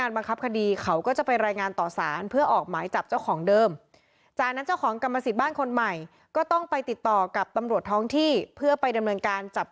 ทีนี้เข้ากับสมรรยาภิกษาจัดทนะเนยเดชา